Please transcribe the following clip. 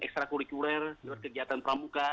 ekstra kurikuler lewat kegiatan pramuka